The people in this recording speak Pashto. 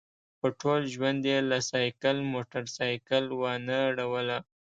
په ټول ژوند یې له سایکل موټرسایکل وانه ړوله.